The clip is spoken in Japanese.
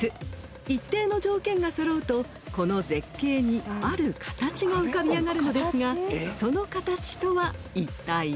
［一定の条件が揃うとこの絶景にある形が浮かび上がるのですがその形とはいったい何でしょうか？］